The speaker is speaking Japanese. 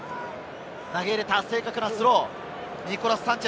投げ入れた正確なスロー。